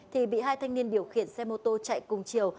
thì bị hai thanh niên điều khiển xe mô tô chạy cùng chiều